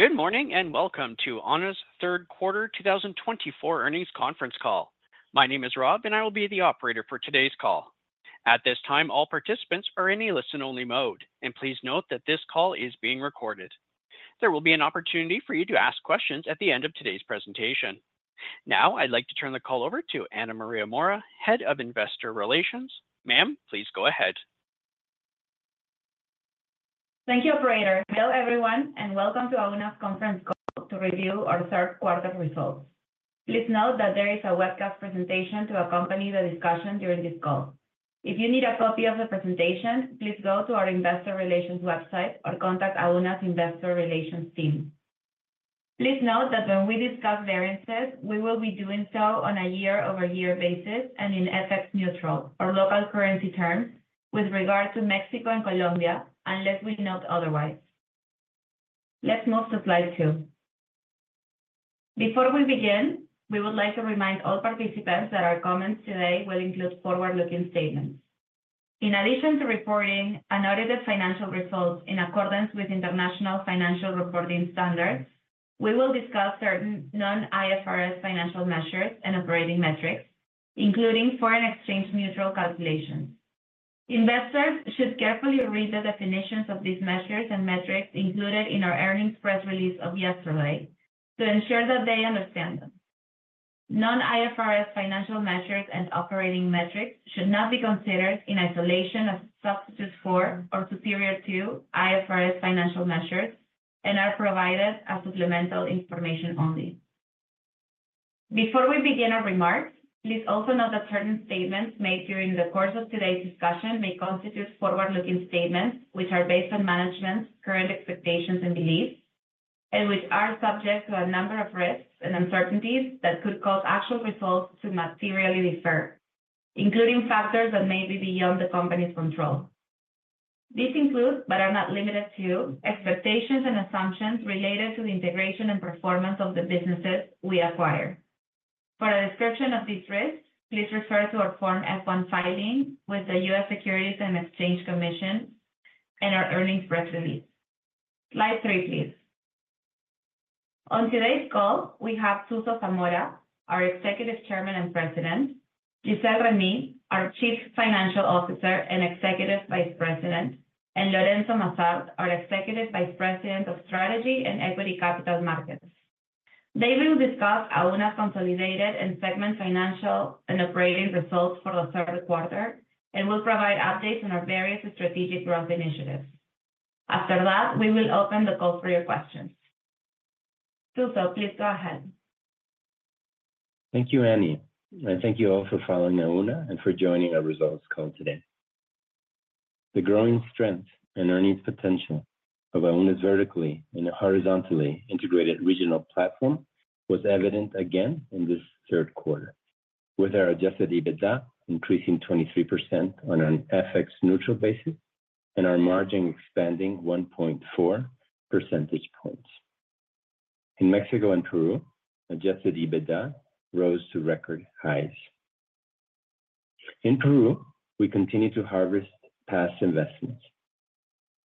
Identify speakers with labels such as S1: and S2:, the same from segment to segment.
S1: Good morning and welcome to Auna's Third Quarter 2024 earnings conference call. My name is Rob, and I will be the operator for today's call. At this time, all participants are in a listen-only mode, and please note that this call is being recorded. There will be an opportunity for you to ask questions at the end of today's presentation. Now, I'd like to turn the call over to Ana Maria Mora, Head of Investor Relations. Ma'am, please go ahead.
S2: Thank you, Operator. Hello, everyone, and welcome to Auna's conference call to review our third quarter results. Please note that there is a webcast presentation to accompany the discussion during this call. If you need a copy of the presentation, please go to our Investor Relations website or contact Auna's Investor Relations team. Please note that when we discuss variances, we will be doing so on a year-over-year basis and in FX neutral or local currency terms with regard to Mexico and Colombia, unless we note otherwise. Let's move to Slide 2. Before we begin, we would like to remind all participants that our comments today will include forward-looking statements. In addition to reporting audited financial results in accordance with International Financial Reporting Standards, we will discuss certain non-IFRS financial measures and operating metrics, including foreign exchange neutral calculations. Investors should carefully read the definitions of these measures and metrics included in our earnings press release of yesterday to ensure that they understand them. Non-IFRS financial measures and operating metrics should not be considered in isolation as substitutes for or superior to IFRS financial measures and are provided as supplemental information only. Before we begin our remarks, please also note that certain statements made during the course of today's discussion may constitute forward-looking statements which are based on management's current expectations and beliefs, and which are subject to a number of risks and uncertainties that could cause actual results to materially differ, including factors that may be beyond the company's control. These include, but are not limited to, expectations and assumptions related to the integration and performance of the businesses we acquire. For a description of these risks, please refer to our Form F-1 filing with the U.S. Securities and Exchange Commission and our earnings press release. Slide 3, please. On today's call, we have Suso Zamora, our Executive Chairman and President, Gisele Remy, our Chief Financial Officer and Executive Vice President, and Lorenzo Massart, our Executive Vice President of Strategy and Equity Capital Markets. They will discuss Auna's consolidated and segmented financial and operating results for the third quarter and will provide updates on our various strategic growth initiatives. After that, we will open the call for your questions. Suso, please go ahead.
S3: Thank you, Ana, and thank you all for following Auna and for joining our results call today. The growing strength and earnings potential of Auna's vertically and horizontally integrated regional platform was evident again in this third quarter, with our Adjusted EBITDA increasing 23% on an FX neutral basis and our margin expanding 1.4 percentage points. In Mexico and Peru, Adjusted EBITDA rose to record highs. In Peru, we continue to harvest past investments.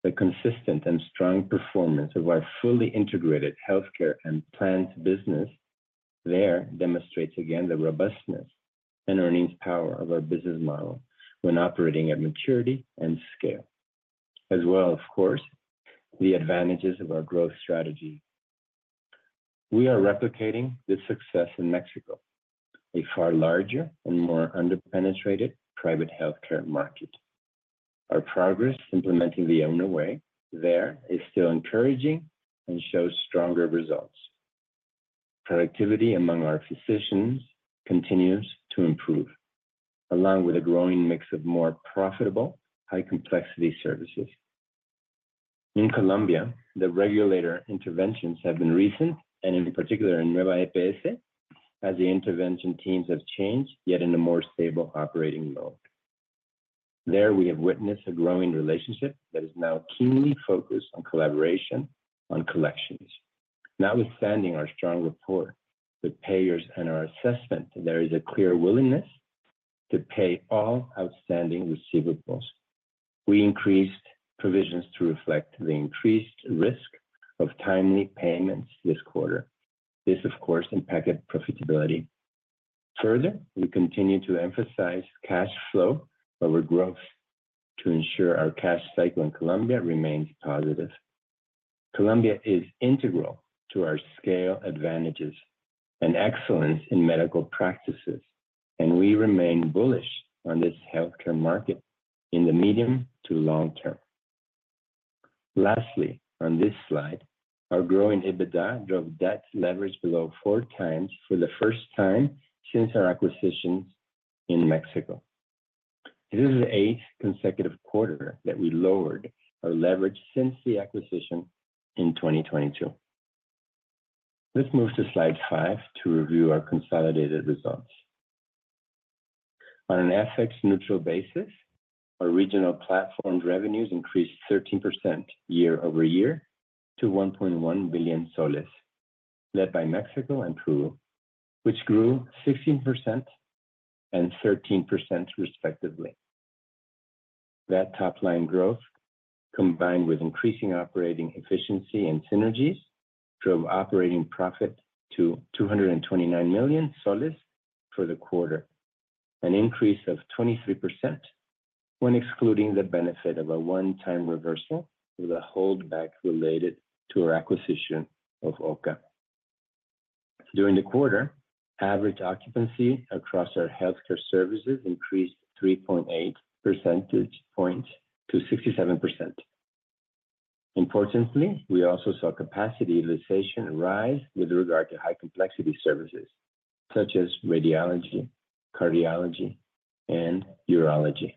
S3: The consistent and strong performance of our fully integrated healthcare plan business there demonstrates again the robustness and earnings power of our business model when operating at maturity and scale, as well, of course, the advantages of our growth strategy. We are replicating this success in Mexico, a far larger and more under-penetrated private healthcare market. Our progress implementing the Auna Way there is still encouraging and shows stronger results. Productivity among our physicians continues to improve, along with a growing mix of more profitable, high-complexity services. In Colombia, the regulatory interventions have been recent, and in particular in Nueva EPS, as the intervention teams have changed, yet in a more stable operating mode. There, we have witnessed a growing relationship that is now keenly focused on collaboration on collections. Notwithstanding our strong rapport with payers and our assessment, there is a clear willingness to pay all outstanding receivables. We increased provisions to reflect the increased risk of timely payments this quarter. This, of course, impacted profitability. Further, we continue to emphasize cash flow over growth to ensure our cash cycle in Colombia remains positive. Colombia is integral to our scale advantages and excellence in medical practices, and we remain bullish on this healthcare market in the medium to long term. Lastly, on this slide, our growing EBITDA drove debt leverage below four times for the first time since our acquisitions in Mexico. This is the eighth consecutive quarter that we lowered our leverage since the acquisition in 2022. Let's move to Slide 5 to review our consolidated results. On an FX neutral basis, our regional platform revenues increased 13% year-over-year to PEN 1.1 billion, led by Mexico and Peru, which grew 16% and 13%, respectively. That top-line growth, combined with increasing operating efficiency and synergies, drove operating profit to PEN 229 million for the quarter, an increase of 23% when excluding the benefit of a one-time reversal of the holdback related to our acquisition of OCA. During the quarter, average occupancy across our healthcare services increased 3.8 percentage points to 67%. Importantly, we also saw capacity utilization rise with regard to high-complexity services such as radiology, cardiology, and urology.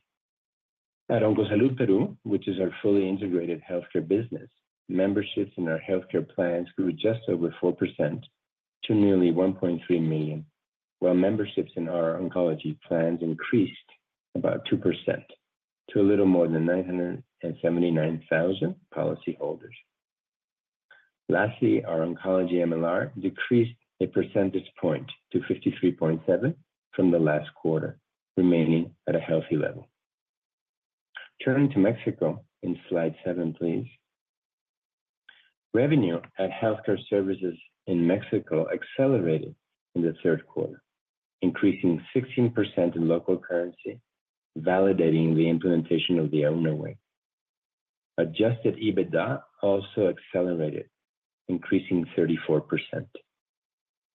S3: At OncoSalud Peru, which is our fully integrated healthcare business, memberships in our healthcare plans grew just over 4% to nearly 1.3 million, while memberships in our oncology plans increased about 2% to a little more than 979,000 policyholders. Lastly, our oncology MLR decreased a percentage point to 53.7% from the last quarter, remaining at a healthy level. Turning to Mexico in Slide 7, please. Revenue at healthcare services in Mexico accelerated in the third quarter, increasing 16% in local currency, validating the implementation of the Auna Way. Adjusted EBITDA also accelerated, increasing 34%.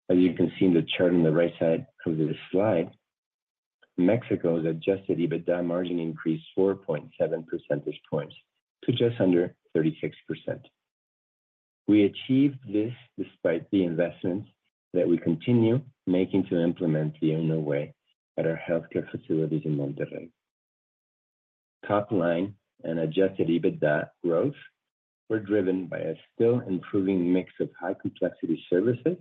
S3: As you can see in the chart on the right side of this slide, Mexico's Adjusted EBITDA margin increased 4.7 percentage points to just under 36%. We achieved this despite the investments that we continue making to implement the Auna Way at our healthcare facilities in Monterrey. Top-line and Adjusted EBITDA growth were driven by a still improving mix of high-complexity services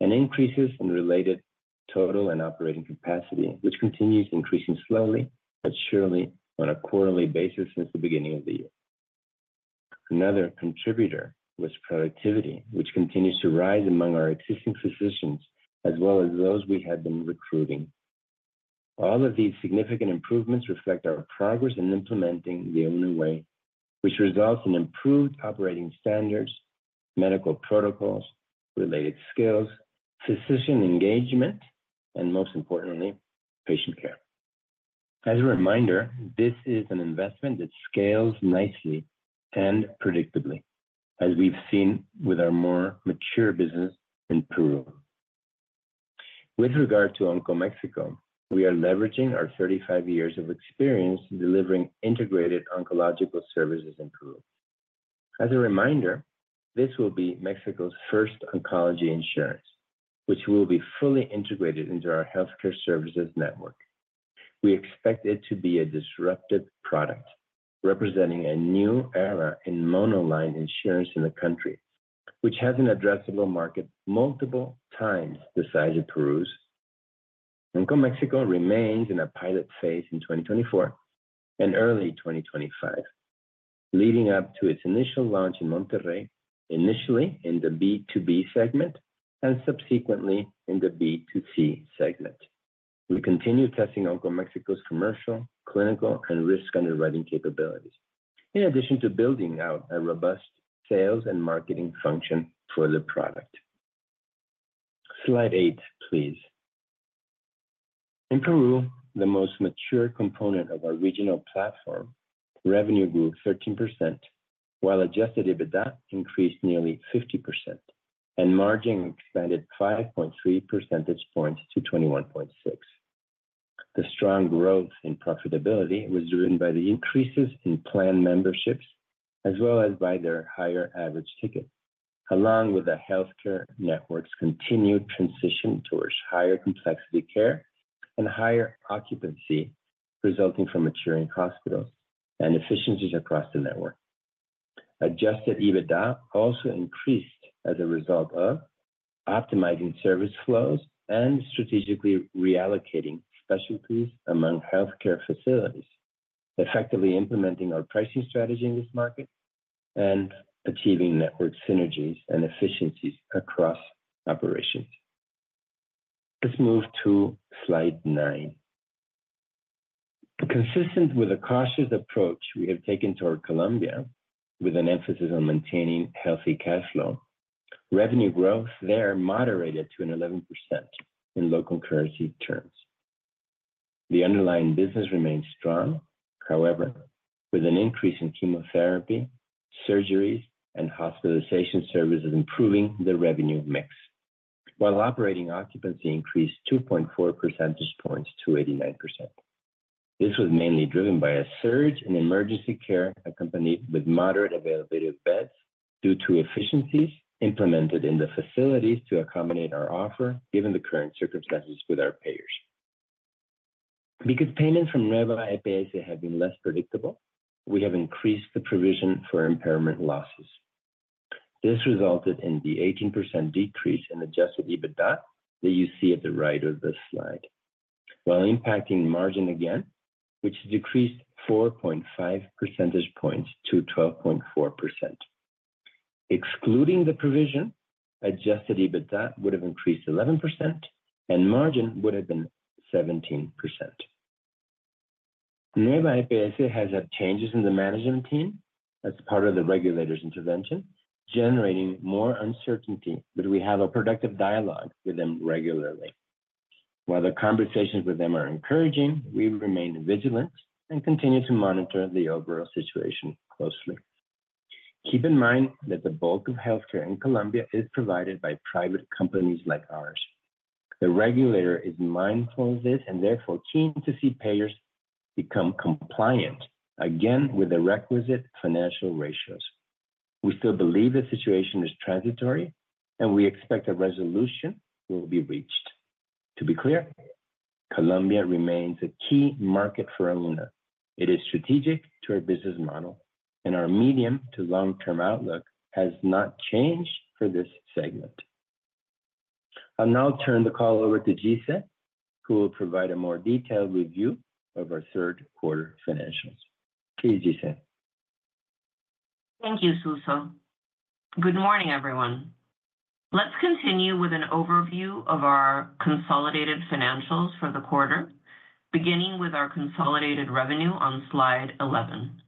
S3: and increases in related total and operating capacity, which continues increasing slowly but surely on a quarterly basis since the beginning of the year. Another contributor was productivity, which continues to rise among our existing physicians as well as those we had been recruiting. All of these significant improvements reflect our progress in implementing the Auna Way, which results in improved operating standards, medical protocols, related skills, physician engagement, and most importantly, patient care. As a reminder, this is an investment that scales nicely and predictably, as we've seen with our more mature business in Peru. With regard to OncoMexico, we are leveraging our 35 years of experience delivering integrated oncological services in Peru. As a reminder, this will be Mexico's first oncology insurance, which will be fully integrated into our healthcare services network. We expect it to be a disruptive product, representing a new era in monoline insurance in the country, which has an addressable market multiple times the size of Peru's. OncoMexico remains in a pilot phase in 2024 and early 2025, leading up to its initial launch in Monterrey, initially in the B2B segment and subsequently in the B2C segment. We continue testing OncoMexico's commercial, clinical, and risk underwriting capabilities, in addition to building out a robust sales and marketing function for the product. Slide 8, please. In Peru, the most mature component of our regional platform revenue grew 13%, while Adjusted EBITDA increased nearly 50%, and margin expanded 5.3 percentage points to 21.6%. The strong growth in profitability was driven by the increases in plan memberships, as well as by their higher average tickets, along with the healthcare network's continued transition towards higher complexity care and higher occupancy, resulting from maturing hospitals and efficiencies across the network. Adjusted EBITDA also increased as a result of optimizing service flows and strategically reallocating specialties among healthcare facilities, effectively implementing our pricing strategy in this market and achieving network synergies and efficiencies across operations. Let's move to Slide 9. Consistent with a cautious approach we have taken toward Colombia, with an emphasis on maintaining healthy cash flow, revenue growth there moderated to an 11% in local currency terms. The underlying business remains strong, however, with an increase in chemotherapy, surgeries, and hospitalization services improving the revenue mix, while operating occupancy increased 2.4 percentage points to 89%. This was mainly driven by a surge in emergency care accompanied with moderate availability of beds due to efficiencies implemented in the facilities to accommodate our offer, given the current circumstances with our payers. Because payments from Nueva EPS have been less predictable, we have increased the provision for impairment losses. This resulted in the 18% decrease in Adjusted EBITDA that you see at the right of this slide, while impacting margin again, which decreased 4.5 percentage points to 12.4%. Excluding the provision, Adjusted EBITDA would have increased 11%, and margin would have been 17%. Nueva EPS has had changes in the management team as part of the regulator's intervention, generating more uncertainty, but we have a productive dialogue with them regularly. While the conversations with them are encouraging, we remain vigilant and continue to monitor the overall situation closely. Keep in mind that the bulk of healthcare in Colombia is provided by private companies like ours. The regulator is mindful of this and therefore keen to see payers become compliant, again, with the requisite financial ratios. We still believe the situation is transitory, and we expect a resolution will be reached. To be clear, Colombia remains a key market for Auna. It is strategic to our business model, and our medium to long-term outlook has not changed for this segment. I'll now turn the call over to Gisele, who will provide a more detailed review of our third quarter financials. Please, Gisele.
S4: Thank you, Suso. Good morning, everyone. Let's continue with an overview of our consolidated financials for the quarter, beginning with our consolidated revenue on Slide 11.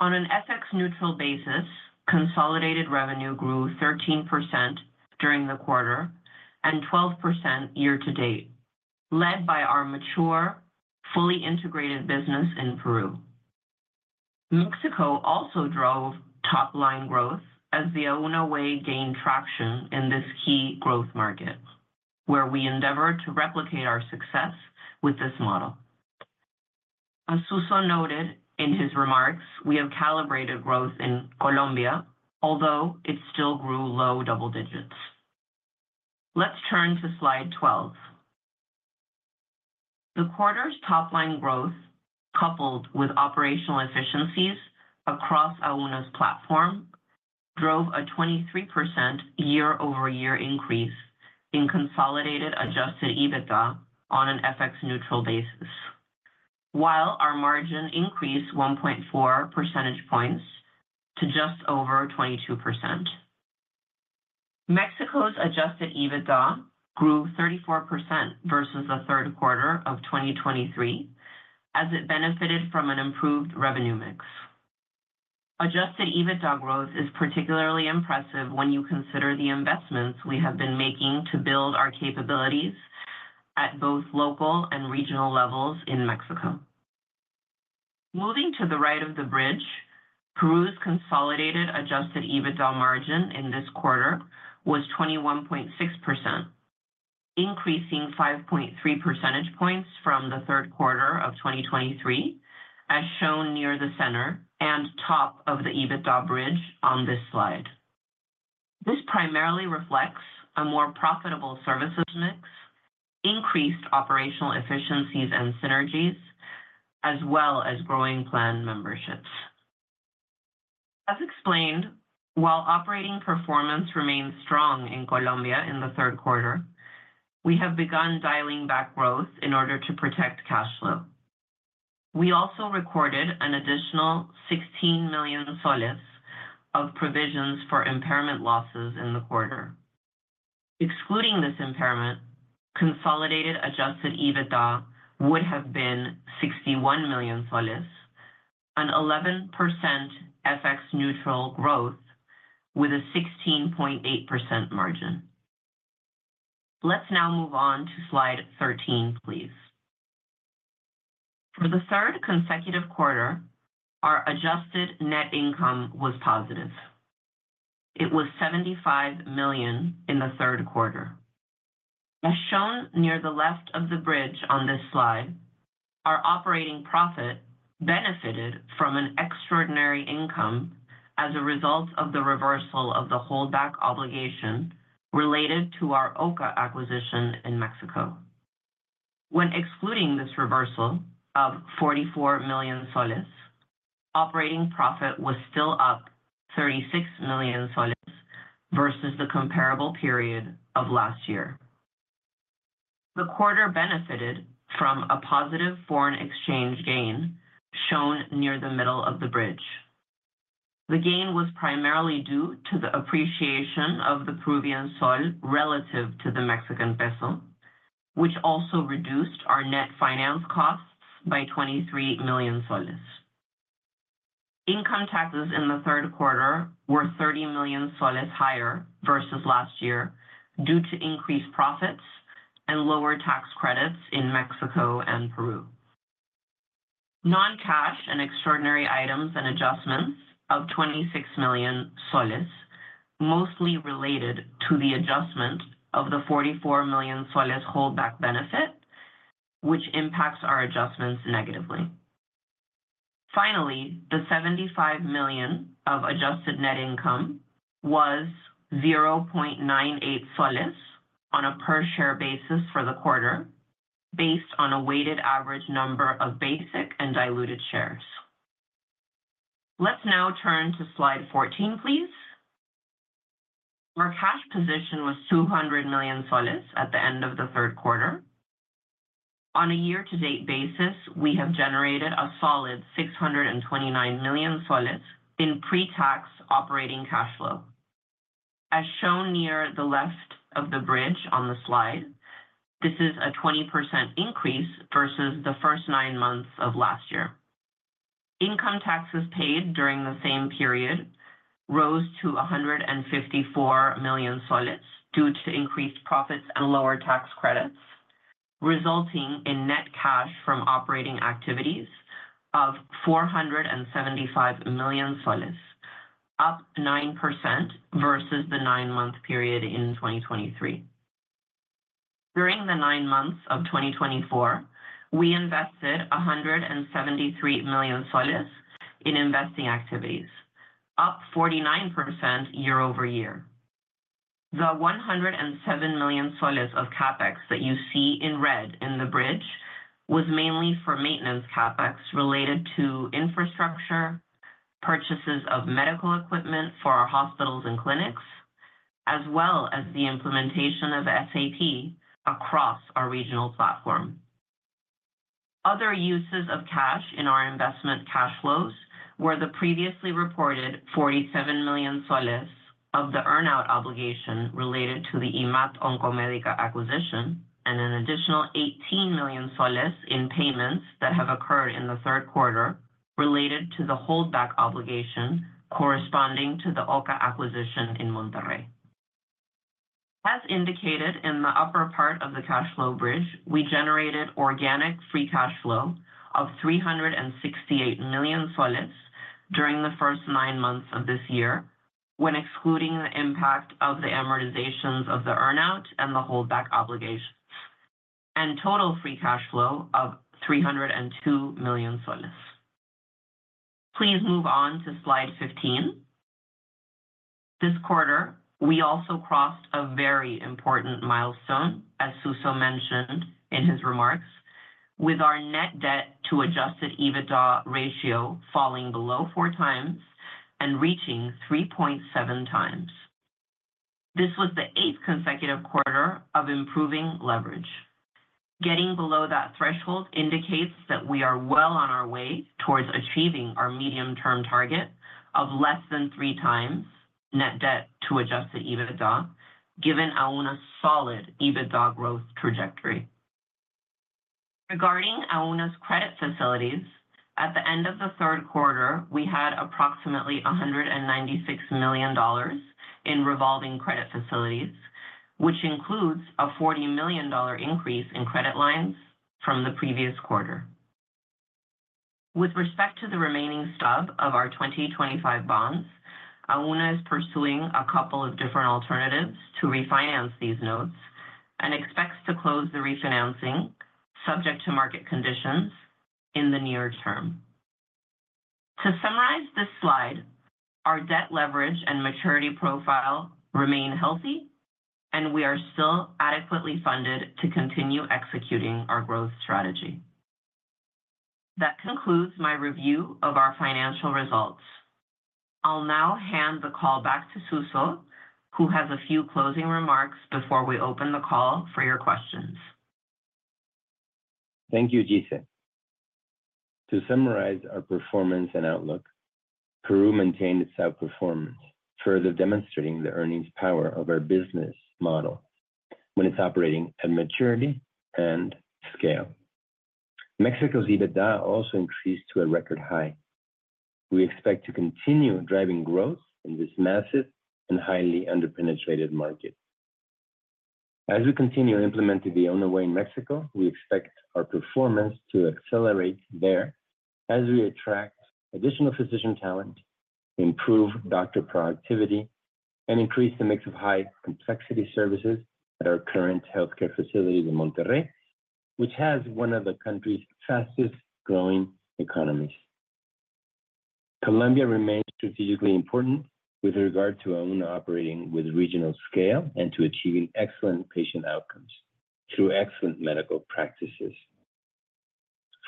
S4: On an FX neutral basis, consolidated revenue grew 13% during the quarter and 12% year-to-date, led by our mature, fully integrated business in Peru. Mexico also drove top-line growth as the Auna Way gained traction in this key growth market, where we endeavored to replicate our success with this model. As Suso noted in his remarks, we have calibrated growth in Colombia, although it still grew low double digits. Let's turn to Slide 12. The quarter's top-line growth, coupled with operational efficiencies across Auna's platform, drove a 23% year-over-year increase in consolidated Adjusted EBITDA on an FX neutral basis, while our margin increased 1.4 percentage points to just over 22%. Mexico's Adjusted EBITDA grew 34% versus the third quarter of 2023, as it benefited from an improved revenue mix. Adjusted EBITDA growth is particularly impressive when you consider the investments we have been making to build our capabilities at both local and regional levels in Mexico. Moving to the right of the bridge, Peru's consolidated Adjusted EBITDA margin in this quarter was 21.6%, increasing 5.3 percentage points from the third quarter of 2023, as shown near the center and top of the EBITDA bridge on this slide. This primarily reflects a more profitable services mix, increased operational efficiencies and synergies, as well as growing plan memberships. As explained, while operating performance remained strong in Colombia in the third quarter, we have begun dialing back growth in order to protect cash flow. We also recorded an additional 16 million soles of provisions for impairment losses in the quarter. Excluding this impairment, consolidated Adjusted EBITDA would have been PEN 61 million, an 11% FX neutral growth with a 16.8% margin. Let's now move on to Slide 13, please. For the third consecutive quarter, our adjusted net income was positive. It was PEN 75 million in the third quarter. As shown near the left of the bridge on this slide, our operating profit benefited from an extraordinary income as a result of the reversal of the holdback obligation related to our OCA acquisition in Mexico. When excluding this reversal of PEN 44 million, operating profit was still up PEN 36 million versus the comparable period of last year. The quarter benefited from a positive foreign exchange gain shown near the middle of the bridge. The gain was primarily due to the appreciation of the Peruvian sol relative to the Mexican peso, which also reduced our net finance costs by PEN 23 million. Income taxes in the third quarter were PEN 30 million higher versus last year due to increased profits and lower tax credits in Mexico and Peru. Non-cash and extraordinary items and adjustments of PEN 26 million mostly related to the adjustment of the PEN 44 million holdback benefit, which impacts our adjustments negatively. Finally, the PEN 75 million of adjusted net income was PEN 0.98 on a per-share basis for the quarter, based on a weighted average number of basic and diluted shares. Let's now turn to Slide 14, please. Our cash position was PEN 200 million at the end of the third quarter. On a year-to-date basis, we have generated a solid PEN 629 million in pre-tax operating cash flow. As shown near the left of the bridge on the slide, this is a 20% increase versus the first nine months of last year. Income taxes paid during the same period rose to PEN 154 million due to increased profits and lower tax credits, resulting in net cash from operating activities of PEN 475 million, up 9% versus the nine-month period in 2023. During the nine months of 2024, we invested PEN 173 million in investing activities, up 49% year-over-year. The PEN 107 million of CapEx that you see in red in the bridge was mainly for maintenance CapEx related to infrastructure, purchases of medical equipment for our hospitals and clinics, as well as the implementation of SAP across our regional platform. Other uses of cash in our investment cash flows were the previously reported PEN 47 million of the earnout obligation related to the IMAT Oncomédica acquisition, and an additional PEN 18 million in payments that have occurred in the third quarter related to the holdback obligation corresponding to the OCA acquisition in Monterrey. As indicated in the upper part of the cash flow bridge, we generated organic free cash flow of PEN 368 million during the first nine months of this year, when excluding the impact of the amortizations of the earnout and the holdback obligations, and total free cash flow of PEN 302 million. Please move on to Slide 15. This quarter, we also crossed a very important milestone, as Suso mentioned in his remarks, with our net debt to Adjusted EBITDA ratio falling below four times and reaching 3.7 times. This was the eighth consecutive quarter of improving leverage. Getting below that threshold indicates that we are well on our way towards achieving our medium-term target of less than three times net debt to Adjusted EBITDA, given Auna's solid EBITDA growth trajectory. Regarding Auna's credit facilities, at the end of the third quarter, we had approximately $196 million in revolving credit facilities, which includes a $40 million increase in credit lines from the previous quarter. With respect to the remaining stub of our 2025 bonds, Auna is pursuing a couple of different alternatives to refinance these notes and expects to close the refinancing, subject to market conditions, in the near term. To summarize this slide, our debt leverage and maturity profile remain healthy, and we are still adequately funded to continue executing our growth strategy. That concludes my review of our financial results. I'll now hand the call back to Suso, who has a few closing remarks before we open the call for your questions.
S3: Thank you, Gisele. To summarize our performance and outlook, Peru maintained its outperformance, further demonstrating the earnings power of our business model when it's operating at maturity and scale. Mexico's EBITDA also increased to a record high. We expect to continue driving growth in this massive and highly underpenetrated market. As we continue implementing the Auna Way in Mexico, we expect our performance to accelerate there as we attract additional physician talent, improve doctor productivity, and increase the mix of high-complexity services at our current healthcare facility in Monterrey, which has one of the country's fastest-growing economies. Colombia remains strategically important with regard to Auna operating with regional scale and to achieving excellent patient outcomes through excellent medical practices.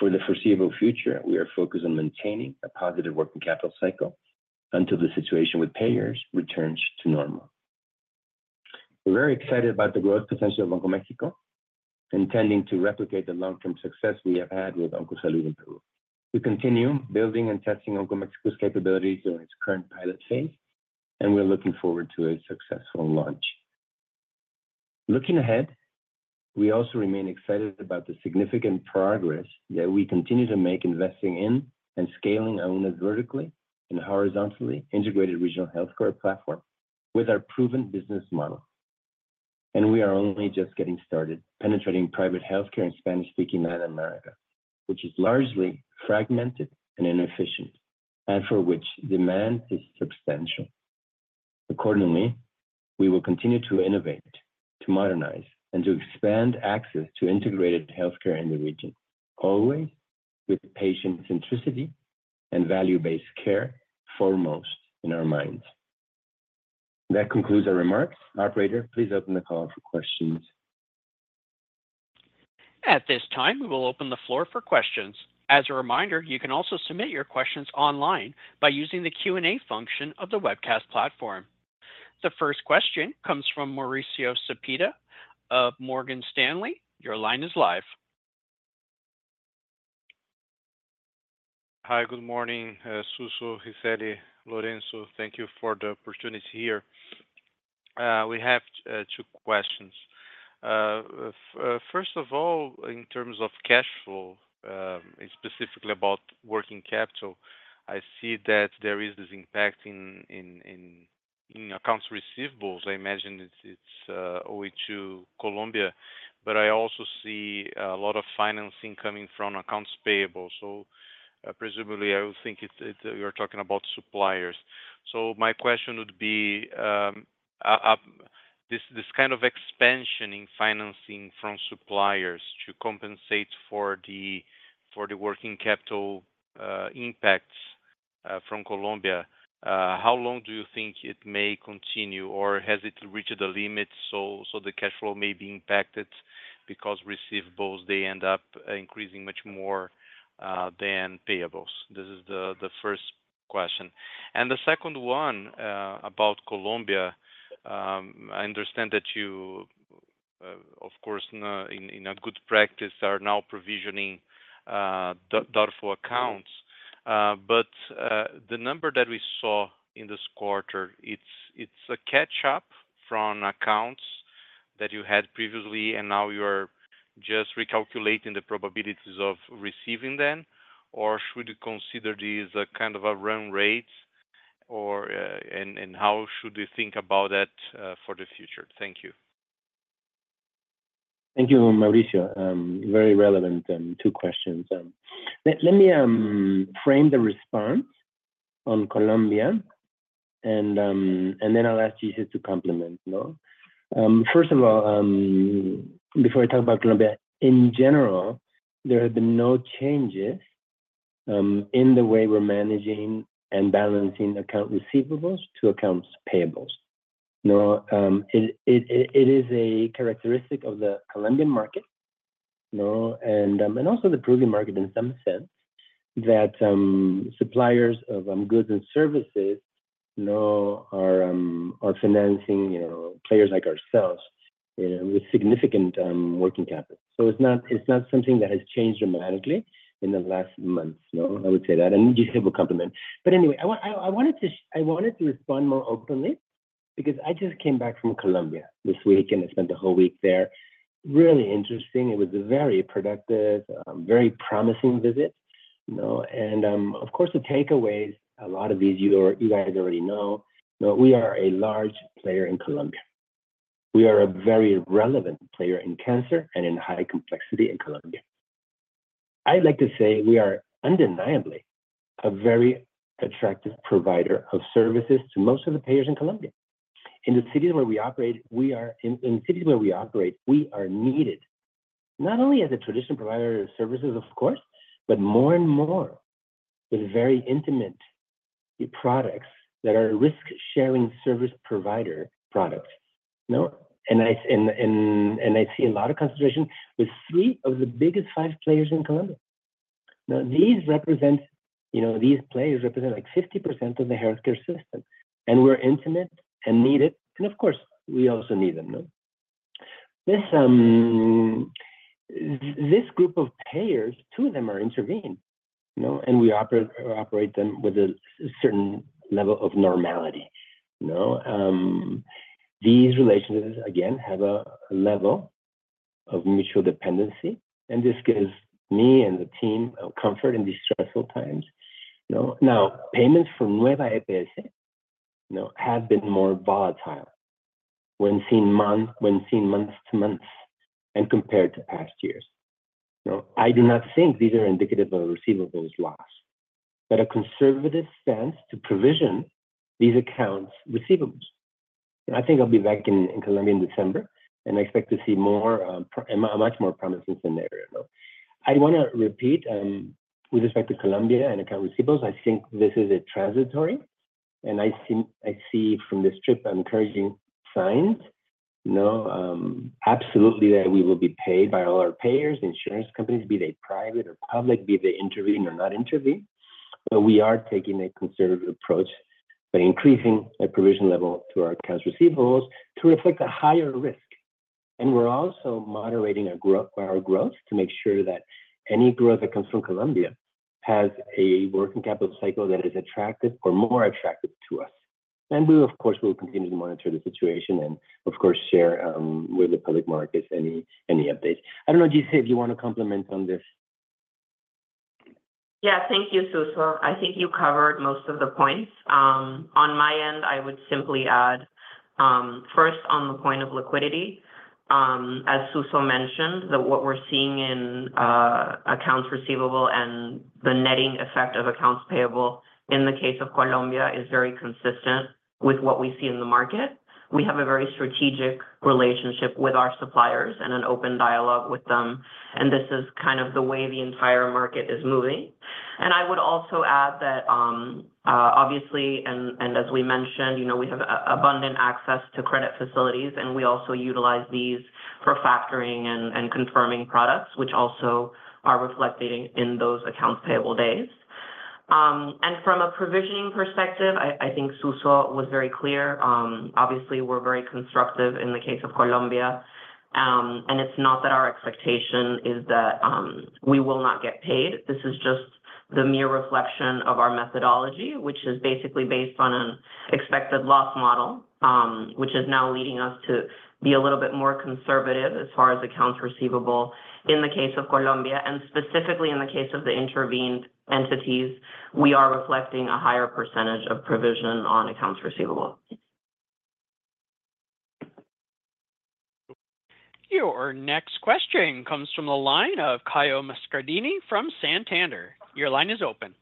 S3: For the foreseeable future, we are focused on maintaining a positive working capital cycle until the situation with payers returns to normal. We're very excited about the growth potential of OncoMexico, intending to replicate the long-term success we have had with OncoSalud in Peru. We continue building and testing OncoMexico's capabilities during its current pilot phase, and we're looking forward to a successful launch. Looking ahead, we also remain excited about the significant progress that we continue to make investing in and scaling Auna's vertically and horizontally integrated regional healthcare platform with our proven business model, and we are only just getting started penetrating private healthcare in Spanish-speaking Latin America, which is largely fragmented and inefficient, and for which demand is substantial. Accordingly, we will continue to innovate, to modernize, and to expand access to integrated healthcare in the region, always with patient centricity and value-based care foremost in our minds. That concludes our remarks. Operator, please open the call for questions.
S1: At this time, we will open the floor for questions. As a reminder, you can also submit your questions online by using the Q&A function of the webcast platform. The first question comes from Mauricio Cepeda of Morgan Stanley. Your line is live.
S5: Hi, good morning, Suso, Gisele, Lorenzo. Thank you for the opportunity here. We have two questions. First of all, in terms of cash flow, specifically about working capital, I see that there is this impact in accounts receivables. I imagine it's EPS Colombia, but I also see a lot of financing coming from accounts payable. So presumably, I would think you're talking about suppliers. So my question would be, this kind of expansion in financing from suppliers to compensate for the working capital impacts from Colombia, how long do you think it may continue, or has it reached the limit so the cash flow may be impacted because receivables, they end up increasing much more than payables? This is the first question. And the second one about Colombia, I understand that you, of course, in a good practice, are now provisioning doubtful accounts. But the number that we saw in this quarter, it's a catch-up from accounts that you had previously, and now you are just recalculating the probabilities of receiving them, or should you consider this a kind of a run rate, and how should we think about that for the future? Thank you.
S3: Thank you, Mauricio. Very relevant two questions. Let me frame the response on Colombia, and then I'll ask Gisele to complement. First of all, before I talk about Colombia, in general, there have been no changes in the way we're managing and balancing account receivables to accounts payables. It is a characteristic of the Colombian market and also the Peruvian market in some sense that suppliers of goods and services are financing players like ourselves with significant working capital. So it's not something that has changed dramatically in the last months, I would say that, and Gisele will complement, but anyway, I wanted to respond more openly because I just came back from Colombia this week and I spent the whole week there. Really interesting. It was a very productive, very promising visit. Of course, the takeaways, a lot of these you guys already know. We are a large player in Colombia. We are a very relevant player in cancer and in high complexity in Colombia. I'd like to say we are undeniably a very attractive provider of services to most of the payers in Colombia. In the cities where we operate, we are needed, not only as a traditional provider of services, of course, but more and more with very integrated products that are risk-sharing service provider products. I see a lot of concentration with three of the biggest five players in Colombia. Now, these players represent like 50% of the healthcare system, and we're integrated and needed, and of course, we also need them. This group of payers, two of them are intervened, and we operate them with a certain level of normality. These relations, again, have a level of mutual dependency, and this gives me and the team comfort in these stressful times. Now, payments for Nueva EPS have been more volatile when seen month to month and compared to past years. I do not think these are indicative of receivables loss, but a conservative stance to provision these accounts receivable. I think I'll be back in Colombia in December, and I expect to see a much more promising scenario. I want to repeat, with respect to Colombia and accounts receivable, I think this is transitory, and I see from this trip encouraging signs, absolutely, that we will be paid by all our payers, insurance companies, be they private or public, be they intervening or not intervening. But we are taking a conservative approach by increasing the provision level to our accounts receivable to reflect a higher risk. And we're also moderating our growth to make sure that any growth that comes from Colombia has a working capital cycle that is attractive or more attractive to us. And we, of course, will continue to monitor the situation and, of course, share with the public markets any updates. I don't know, Gisele, if you want to comment on this.
S4: Yeah, thank you, Suso. I think you covered most of the points. On my end, I would simply add, first, on the point of liquidity, as Suso mentioned, that what we're seeing in accounts receivable and the netting effect of accounts payable in the case of Colombia is very consistent with what we see in the market. We have a very strategic relationship with our suppliers and an open dialogue with them, and this is kind of the way the entire market is moving, and I would also add that, obviously, and as we mentioned, we have abundant access to credit facilities, and we also utilize these for factoring and confirming products, which also are reflected in those accounts payable days, and from a provisioning perspective, I think Suso was very clear. Obviously, we're very constructive in the case of Colombia, and it's not that our expectation is that we will not get paid. This is just the mere reflection of our methodology, which is basically based on an expected loss model, which is now leading us to be a little bit more conservative as far as accounts receivable in the case of Colombia. And specifically, in the case of the intervened entities, we are reflecting a higher percentage of provision on accounts receivable.
S1: Your next question comes from the line of Caio Moscardini from Santander. Your line is open.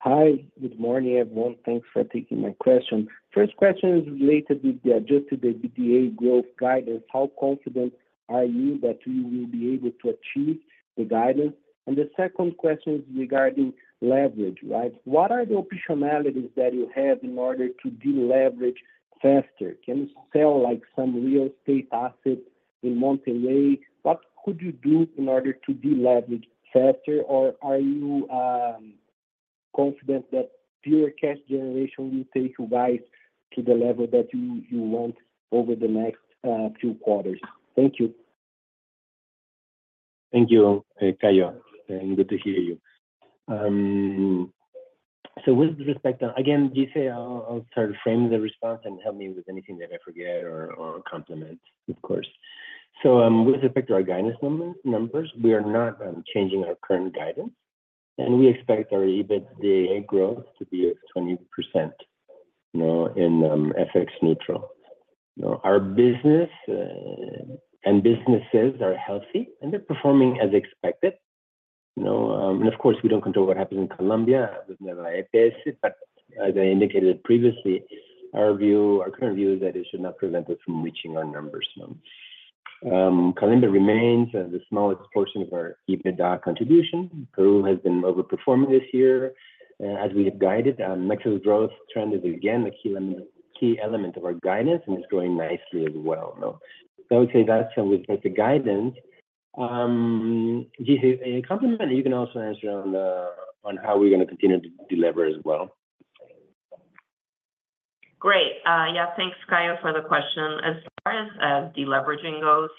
S5: Hi, good morning, everyone. Thanks for taking my question. First question is related just to the DDA growth guidance. How confident are you that you will be able to achieve the guidance? And the second question is regarding leverage, right? What are the optionalities that you have in order to deleverage faster? Can you sell some real estate assets in Monterrey? What could you do in order to deleverage faster, or are you confident that pure cash generation will take you guys to the level that you want over the next few quarters? Thank you.
S3: Thank you, Caio. Good to hear you. So with respect, again, Gisele, I'll sort of frame the response and help me with anything that I forget or complement, of course. So with respect to our guidance numbers, we are not changing our current guidance, and we expect our EBITDA growth to be 20% in FX neutral. Our business and businesses are healthy, and they're performing as expected. And of course, we don't control what happens in Colombia with Nueva EPS, but as I indicated previously, our current view is that it should not prevent us from reaching our numbers. Colombia remains the smallest portion of our EBITDA contribution. Peru has been overperforming this year as we have guided. Mexico's growth trend is, again, a key element of our guidance, and it's growing nicely as well. So I would say that's the guidance. Gisele, complement, and you can also answer on how we're going to continue to deliver as well.
S4: Great. Yeah, thanks, Caio, for the question. As far as deleveraging goes,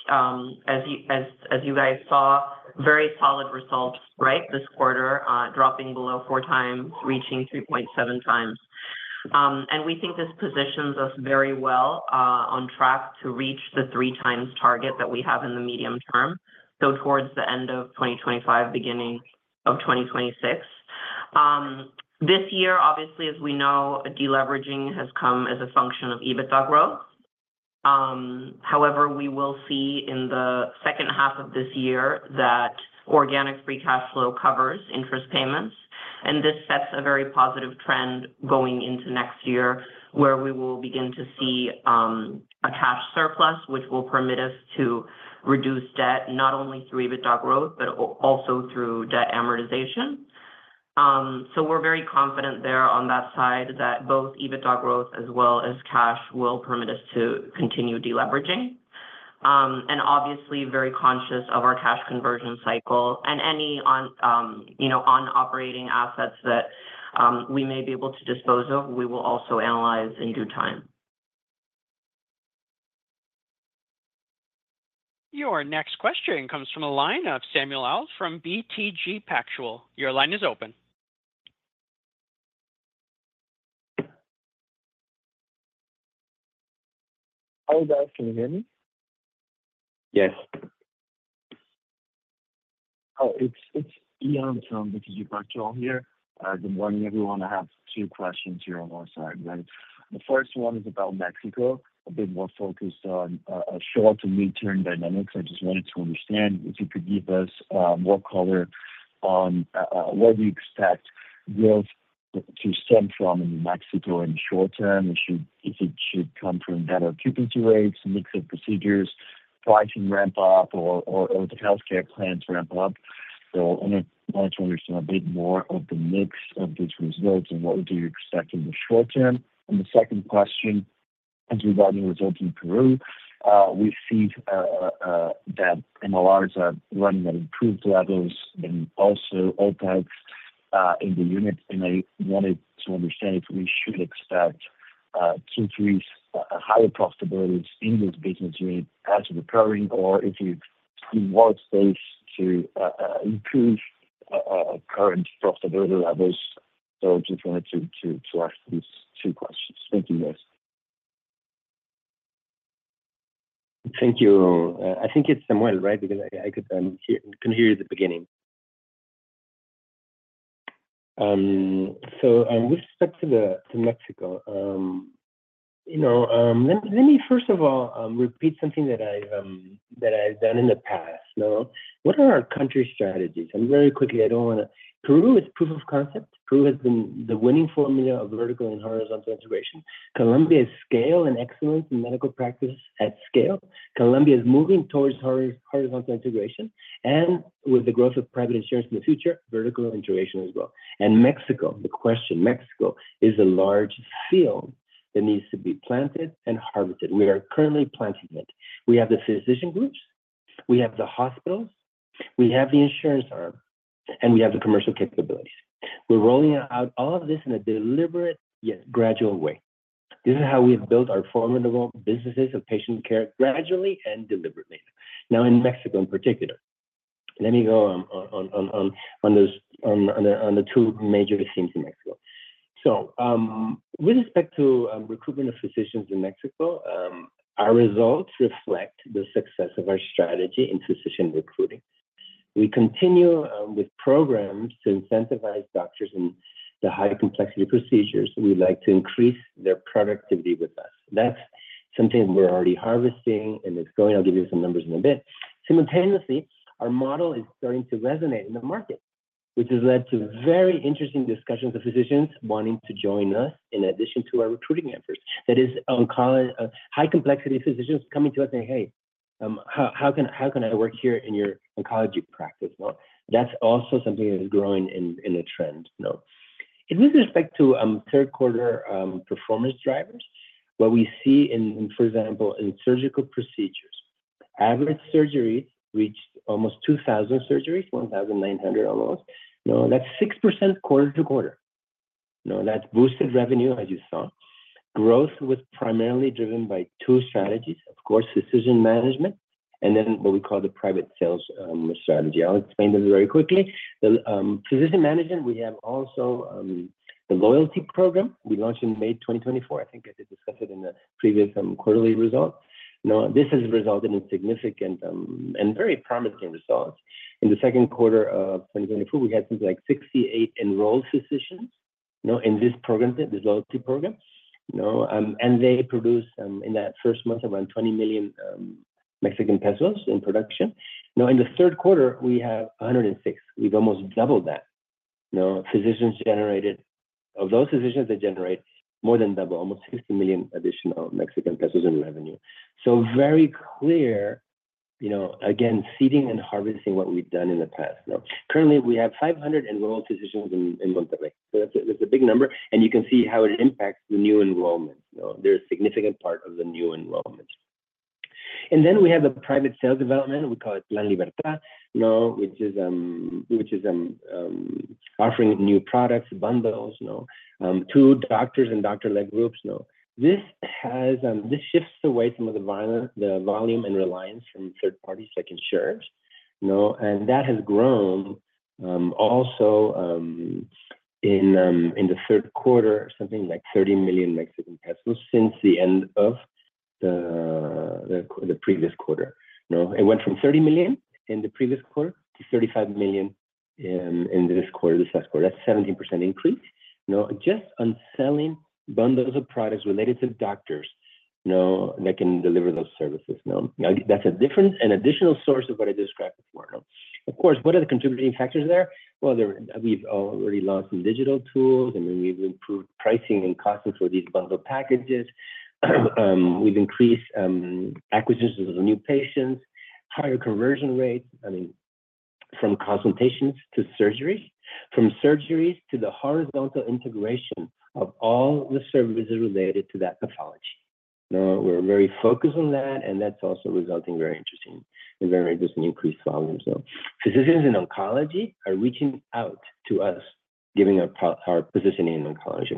S4: as you guys saw, very solid results, right, this quarter, dropping below four times, reaching 3.7 times, and we think this positions us very well on track to reach the three-times target that we have in the medium term, so towards the end of 2025, beginning of 2026. This year, obviously, as we know, deleveraging has come as a function of EBITDA growth. However, we will see in the second half of this year that organic free cash flow covers interest payments, and this sets a very positive trend going into next year where we will begin to see a cash surplus, which will permit us to reduce debt not only through EBITDA growth, but also through debt amortization. So we're very confident there on that side that both EBITDA growth as well as cash will permit us to continue deleveraging. And obviously, very conscious of our cash conversion cycle and any non-operating assets that we may be able to dispose of, we will also analyze in due time.
S1: Your next question comes from the line of Samuel Alves from BTG Pactual. Your line is open.
S6: Hi, guys. Can you hear me? Yes. Oh, it's Yan from BTG Pactual here. Good morning, everyone. I have two questions here on our side. The first one is about Mexico, a bit more focused on short-to-mid-term dynamics. I just wanted to understand if you could give us more color on where do you expect growth to stem from in Mexico in the short term, if it should come from better occupancy rates, mix of procedures, pricing ramp up, or the healthcare plans ramp up. So I wanted to understand a bit more of the mix of these results and what would you expect in the short term. And the second question is regarding results in Peru. We see that MLRs are running at improved levels and also OpEx in the unit, and I wanted to understand if we should expect Q3's higher profitabilities in this business unit as we're recovering, or if you want us to increase current profitability levels. So I just wanted to ask these two questions. Thank you, guys.
S3: Thank you. I think it's Samuel, right? Because I couldn't hear you at the beginning. So with respect to Mexico, let me, first of all, repeat something that I've done in the past. What are our country strategies? And very quickly, I don't want to. Peru is proof of concept. Peru has been the winning formula of vertical and horizontal integration. Colombia is scale and excellence in medical practice at scale. Colombia is moving towards horizontal integration. And with the growth of private insurance in the future, vertical integration as well. And Mexico, the question. Mexico is a large field that needs to be planted and harvested. We are currently planting it. We have the physician groups. We have the hospitals. We have the insurance arm. And we have the commercial capabilities. We're rolling out all of this in a deliberate, yet gradual way. This is how we have built our formidable businesses of patient care gradually and deliberately. Now, in Mexico, in particular, let me go on the two major themes in Mexico. So with respect to recruitment of physicians in Mexico, our results reflect the success of our strategy in physician recruiting. We continue with programs to incentivize doctors in the high-complexity procedures. We'd like to increase their productivity with us. That's something we're already harvesting, and it's going. I'll give you some numbers in a bit. Simultaneously, our model is starting to resonate in the market, which has led to very interesting discussions of physicians wanting to join us in addition to our recruiting efforts. That is, high-complexity physicians coming to us and saying, "Hey, how can I work here in your oncology practice?" That's also something that is growing in a trend. With respect to third quarter performance drivers, what we see in, for example, in surgical procedures, average surgeries reached almost 2,000 surgeries, 1,900 almost. That's 6% quarter-to-quarter. That's boosted revenue, as you saw. Growth was primarily driven by two strategies, of course, physician management, and then what we call the private sales strategy. I'll explain them very quickly. Physician management, we have also the loyalty program. We launched in May 2024. I think I did discuss it in the previous quarterly results. This has resulted in significant and very promising results. In the second quarter of 2024, we had something like 68 enrolled physicians in this program, this loyalty program, and they produced in that first month around 20 million Mexican pesos in production. In the third quarter, we have 106. We've almost doubled that. Physicians generated, of those physicians, they generate more than double, almost 60 million additional in revenue, so very clear, again, seeding and harvesting what we've done in the past. Currently, we have 500 enrolled physicians in Monterrey, so that's a big number, and you can see how it impacts the new enrollment. They're a significant part of the new enrollment, and then we have the private sales development. We call it La Libertad, which is offering new products, bundles, to doctors and doctor-led groups. This shifts away from the volume and reliance from third parties like insurers. That has grown also in the third quarter, something like 30 million Mexican pesos since the end of the previous quarter. It went from 30 million in the previous quarter to 35 million in this quarter, the last quarter. That's a 17% increase. Just on selling bundles of products related to doctors that can deliver those services. That's an additional source of what I described before. Of course, what are the contributing factors there? Well, we've already launched some digital tools, and then we've improved pricing and costing for these bundled packages. We've increased acquisitions of new patients, higher conversion rates, I mean, from consultations to surgeries, from surgeries to the horizontal integration of all the services related to that pathology. We're very focused on that, and that's also resulting in very interesting increased volumes. Physicians in oncology are reaching out to us, giving our position in oncology.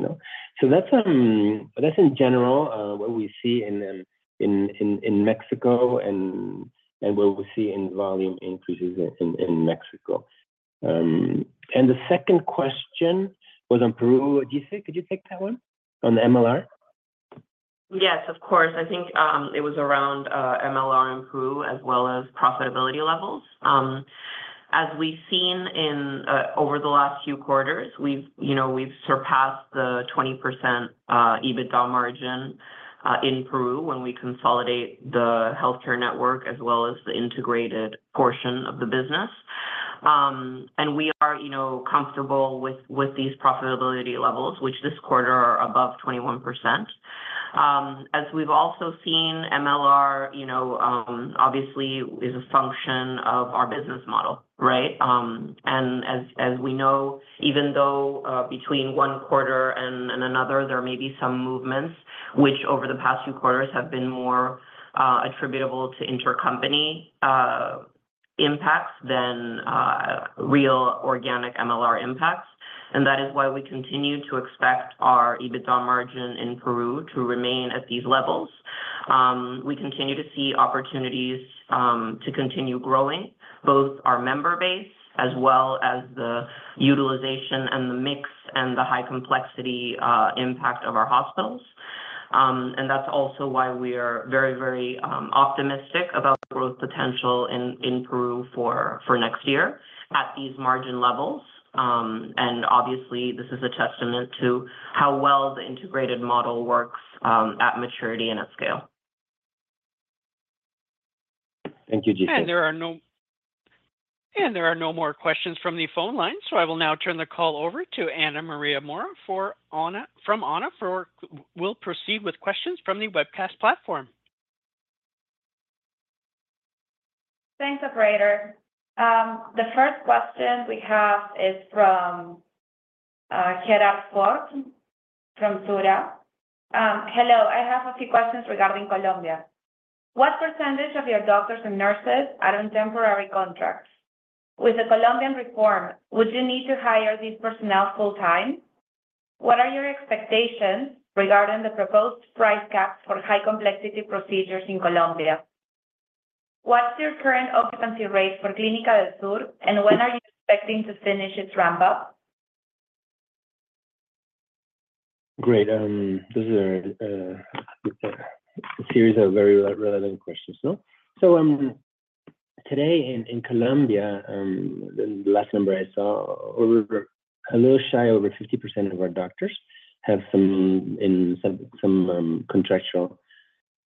S3: So that's, in general, what we see in Mexico and what we see in volume increases in Mexico. And the second question was on Peru. Gisele, could you take that one on the MLR?
S4: Yes, of course. I think it was around MLR in Peru as well as profitability levels. As we've seen over the last few quarters, we've surpassed the 20% EBITDA margin in Peru when we consolidate the healthcare network as well as the integrated portion of the business, and we are comfortable with these profitability levels, which this quarter are above 21%. As we've also seen, MLR, obviously, is a function of our business model, right, and as we know, even though between one quarter and another, there may be some movements, which over the past few quarters have been more attributable to intercompany impacts than real organic MLR impacts, and that is why we continue to expect our EBITDA margin in Peru to remain at these levels. We continue to see opportunities to continue growing, both our member base as well as the utilization and the mix and the high-complexity impact of our hospitals. And that's also why we are very, very optimistic about the growth potential in Peru for next year at these margin levels. And obviously, this is a testament to how well the integrated model works at maturity and at scale.
S3: Thank you, Gisele.
S1: There are no more questions from the phone line, so I will now turn the call over to Ana María Mora from Auna who will proceed with questions from the webcast platform.
S2: Thanks, operator. The first question we have is from Gerardo Fort from Sura. Hello. I have a few questions regarding Colombia. What percentage of your doctors and nurses are on temporary contracts? With the Colombian reform, would you need to hire this personnel full-time? What are your expectations regarding the proposed price cap for high-complexity procedures in Colombia? What's your current occupancy rate for Clínica del Sur, and when are you expecting to finish its ramp-up?
S3: Great. This is a series of very relevant questions. So today in Colombia, the last number I saw, a little shy of over 50% of our doctors have some contractual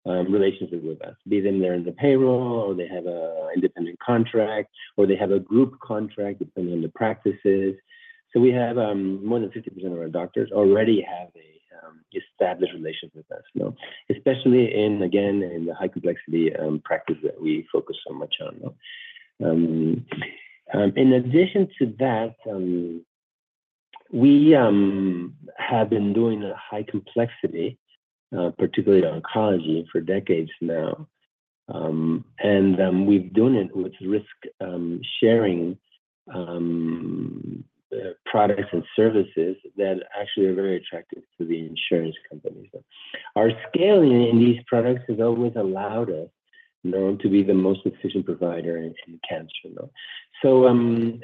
S3: relationship with us, be them there in the payroll, or they have an independent contract, or they have a group contract depending on the practices. So we have more than 50% of our doctors already have an established relationship with us, especially in, again, in the high-complexity practice that we focus so much on. In addition to that, we have been doing high-complexity, particularly oncology, for decades now. And we've done it with risk-sharing products and services that actually are very attractive to the insurance companies. Our scaling in these products has always allowed us to be the most efficient provider in cancer. So I'm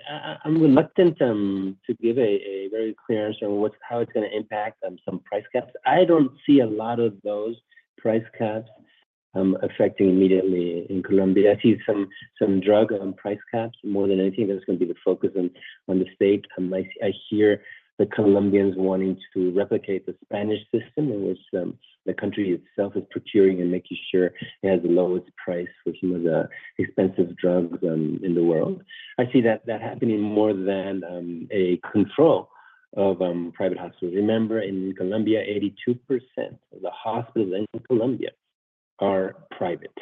S3: reluctant to give a very clear answer on how it's going to impact some price caps. I don't see a lot of those price caps affecting immediately in Colombia. I see some drug price caps more than anything. That's going to be the focus on the state. I hear the Colombians wanting to replicate the Spanish system in which the country itself is procuring and making sure it has the lowest price for some of the expensive drugs in the world. I see that happening more than a control of private hospitals. Remember, in Colombia, 82% of the hospitals in Colombia are private.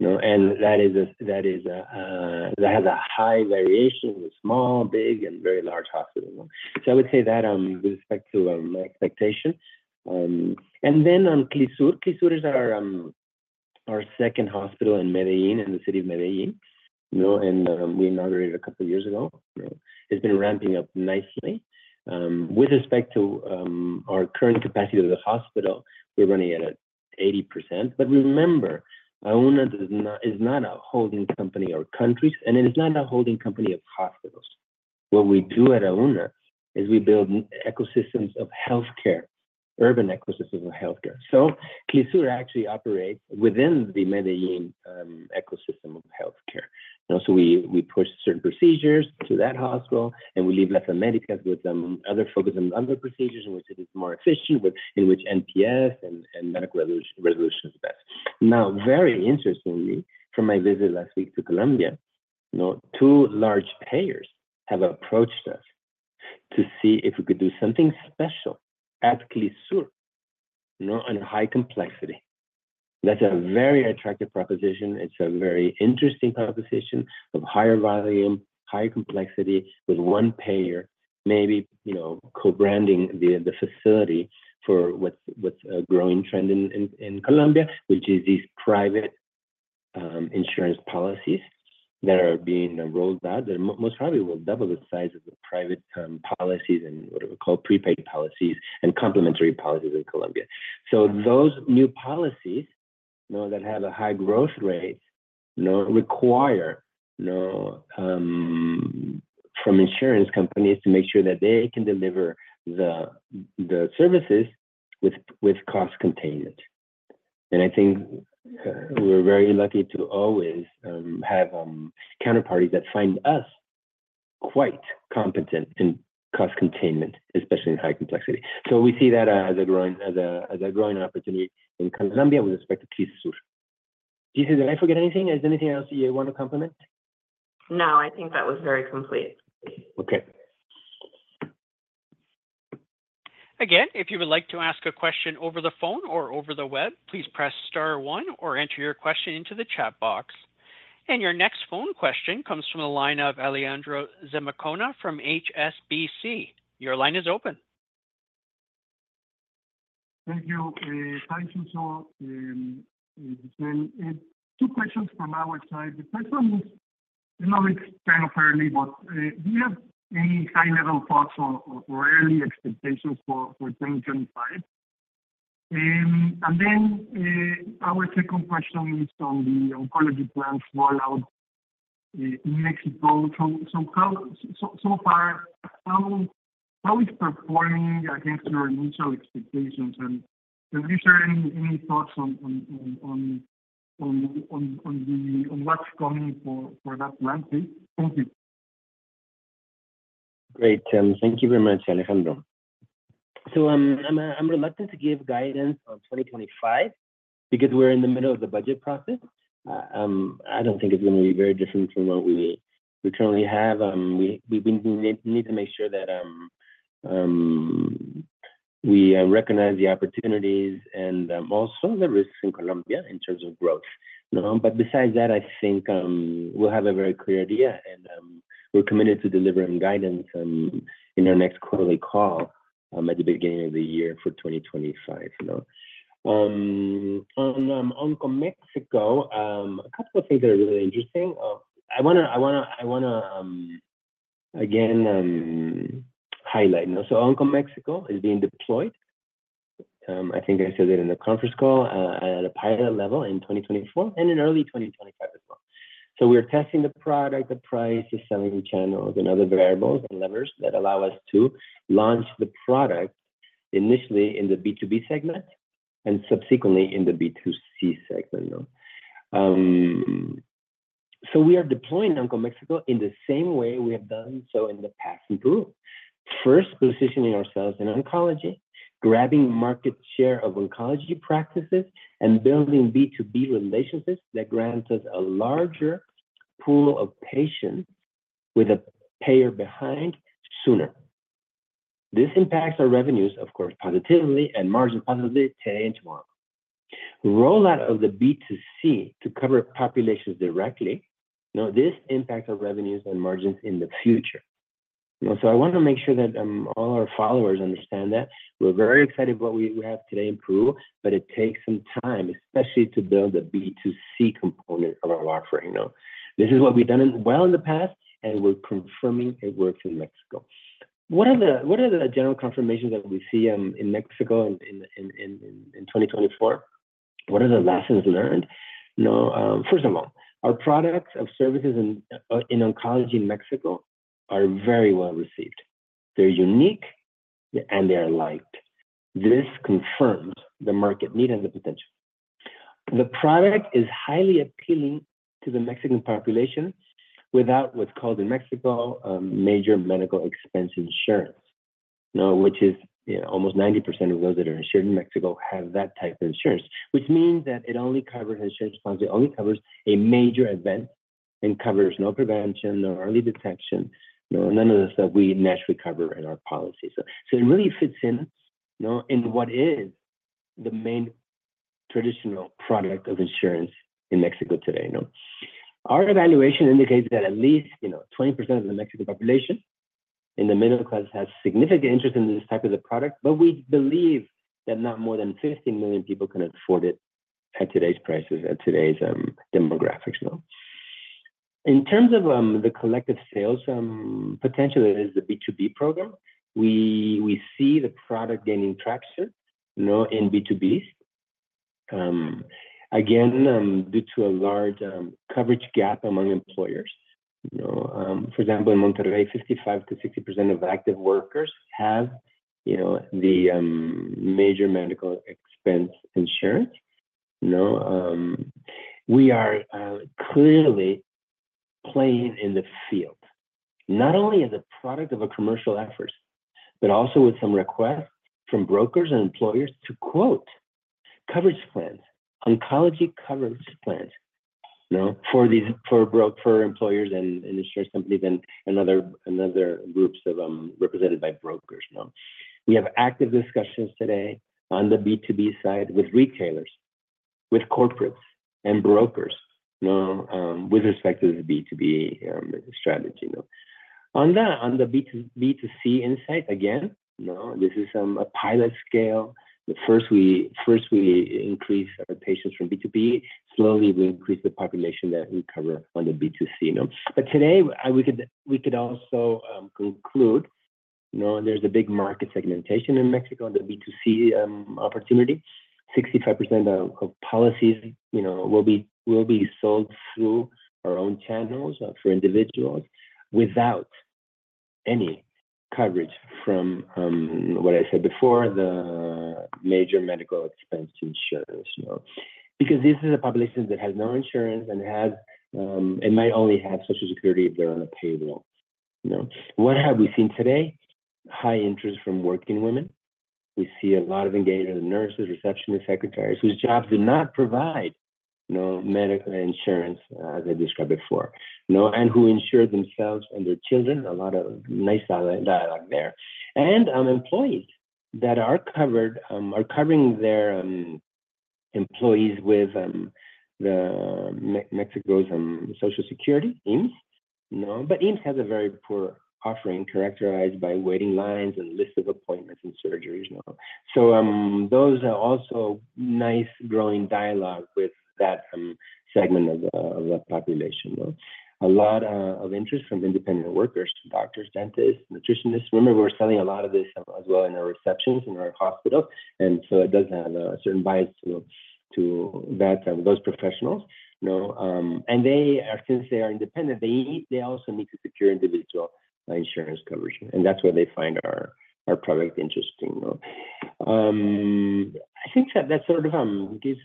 S3: And that has a high variation with small, big, and very large hospitals. So I would say that with respect to my expectation. And then Clínica Portoazul is our second hospital in Medellín, in the city of Medellín. We inaugurated a couple of years ago. It's been ramping up nicely. With respect to our current capacity of the hospital, we're running at 80%. But remember, Auna is not a holding company or country, and it is not a holding company of hospitals. What we do at Auna is we build ecosystems of healthcare, urban ecosystems of healthcare. Clínica Portoazul actually operates within the Medellín ecosystem of healthcare. So we push certain procedures to that hospital, and we leave Las Américas with other focus on other procedures in which it is more efficient, in which NPS and medical resolution is best. Now, very interestingly, from my visit last week to Colombia, two large payers have approached us to see if we could do something special Clínica Portoazul on a high complexity. That's a very attractive proposition. It's a very interesting proposition of higher volume, higher complexity with one payer, maybe co-branding the facility for what's a growing trend in Colombia, which is these private insurance policies that are being rolled out that most probably will double the size of the private policies and what we call prepaid policies and complementary policies in Colombia, so those new policies that have a high growth rate require from insurance companies to make sure that they can deliver the services with cost containment, and I think we're very lucky to always have counterparties that find us quite competent in cost containment, especially in high complexity, so we see that as a growing opportunity in Colombia with respect Clínica Portoazul. gisele, did I forget anything? Is there anything else you want to complement?
S4: No, I think that was very complete.
S3: Okay.
S1: Again, if you would like to ask a question over the phone or over the web, please press star one or enter your question into the chat box. And your next phone question comes from the line of Alejandro Zamacona from HSBC. Your line is open.
S7: Thank you. Thank you so much. Two questions from our side. The first one is kind of early, but do you have any high-level thoughts or early expectations for 2025? And then our second question is on the oncology plans rollout in Mexico. So far, how is it performing against your initial expectations? And if there are any thoughts on what's coming for that landscape? Thank you.
S3: Great. Thank you very much, Alejandro. So I'm reluctant to give guidance on 2025 because we're in the middle of the budget process. I don't think it's going to be very different from what we currently have. We need to make sure that we recognize the opportunities and also the risks in Colombia in terms of growth. But besides that, I think we'll have a very clear idea, and we're committed to delivering guidance in our next quarterly call at the beginning of the year for 2025. On OncoMexico, a couple of things that are really interesting. I want to again highlight. So OncoMexico is being deployed. I think I said it in the conference call at a pilot level in 2024 and in early 2025 as well. So we're testing the product, the price, the selling channels, and other variables and levers that allow us to launch the product initially in the B2B segment and subsequently in the B2C segment. So we are deploying OncoMexico in the same way we have done so in the past in Peru. First, positioning ourselves in oncology, grabbing market share of oncology practices, and building B2B relationships that grant us a larger pool of patients with a payer behind sooner. This impacts our revenues, of course, positively and margin positively today and tomorrow. Rollout of the B2C to cover populations directly. This impacts our revenues and margins in the future. So I want to make sure that all our followers understand that we're very excited about what we have today in Peru, but it takes some time, especially to build the B2C component of our offering. This is what we've done well in the past, and we're confirming it works in Mexico. What are the general confirmations that we see in Mexico in 2024? What are the lessons learned? First of all, our products and services in oncology in Mexico are very well received. They're unique, and they are liked. This confirms the market need and the potential. The product is highly appealing to the Mexican population without what's called in Mexico major medical expense insurance, which is almost 90% of those that are insured in Mexico have that type of insurance, which means that it only covers a major event and covers no prevention, no early detection, none of the stuff we naturally cover in our policy. So it really fits in what is the main traditional product of insurance in Mexico today. Our evaluation indicates that at least 20% of the Mexican population in the middle class has significant interest in this type of product, but we believe that not more than 15 million people can afford it at today's prices, at today's demographics. In terms of the collective sales, potentially it is the B2B program. We see the product gaining traction in B2Bs, again, due to a large coverage gap among employers. For example, in Monterrey, 55%-60% of active workers have the major medical expense insurance. We are clearly playing in the field, not only as a product of a commercial effort, but also with some requests from brokers and employers to quote coverage plans, oncology coverage plans for employers and insurance companies and other groups represented by brokers. We have active discussions today on the B2B side with retailers, with corporates, and brokers with respect to the B2B strategy. On the B2C side, again, this is a pilot scale. First, we increase our patients from B2B. Slowly, we increase the population that we cover on the B2C, but today, we could also conclude there's a big market segmentation in Mexico on the B2C opportunity. 65% of policies will be sold through our own channels for individuals without any coverage from what I said before, the major medical expense insurers. Because this is a population that has no insurance and might only have Social Security if they're on a payroll. What have we seen today? High interest from working women. We see a lot of engaged nurses, receptionists, secretaries whose jobs do not provide medical insurance, as I described before, and who insure themselves and their children. A lot of nice dialogue there and employees that are covering their employees with Mexico's Social Security, IMSS, but IMSS has a very poor offering characterized by waiting lines and lists of appointments and surgeries, so those are also nice growing dialogue with that segment of the population. A lot of interest from independent workers, doctors, dentists, nutritionists. Remember, we're selling a lot of this as well in our receptions in our hospital, and so it does have a certain bias to those professionals, and since they are independent, they also need to secure individual insurance coverage, and that's where they find our product interesting. I think that sort of gives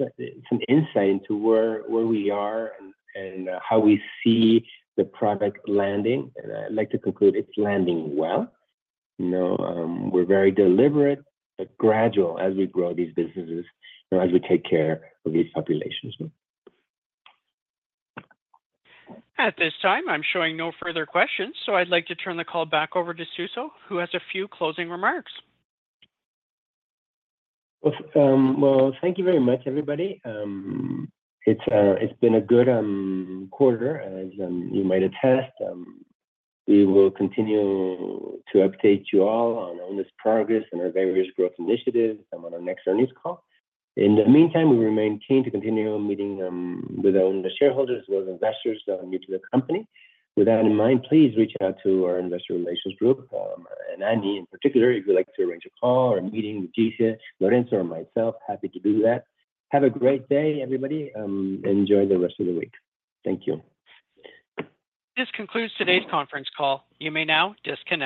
S3: some insight into where we are and how we see the product landing, and I'd like to conclude it's landing well. We're very deliberate, but gradual as we grow these businesses, as we take care of these populations.
S1: At this time, I'm showing no further questions. So I'd like to turn the call back over to Suso, who has a few closing remarks.
S3: Well, thank you very much, everybody. It's been a good quarter, as you might attest. We will continue to update you all on this progress and our various growth initiatives on our next earnings call. In the meantime, we remain keen to continue meeting with our own shareholders as well as investors new to the company. With that in mind, please reach out to our investor relations group, and Annie in particular, if you'd like to arrange a call or a meeting with Gisele, Lorenzo, or myself. Happy to do that. Have a great day, everybody. Enjoy the rest of the week. Thank you.
S1: This concludes today's conference call. You may now disconnect.